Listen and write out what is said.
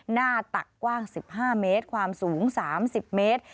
หน้าตักกว้าง๑๕เมตรความสูง๓๐เมตร